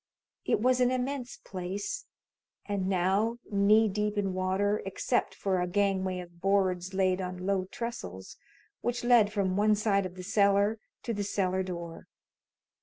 It was an immense place, and now knee deep in water, except for a gangway of boards laid on low trestles, which led from one side of the cellar to the cellar door.